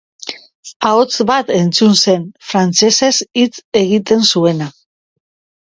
Ahots bat entzun zen, frantsesez hitz egiten zuena.